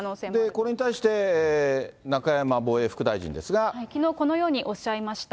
これに対して、きのう、このようにおっしゃいました。